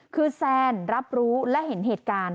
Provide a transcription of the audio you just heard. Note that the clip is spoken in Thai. คือแซนรับรู้และเห็นเหตุการณ์